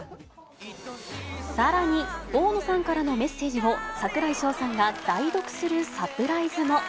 さらに、大野さんからのメッセージを、櫻井翔さんが代読するサプライズも。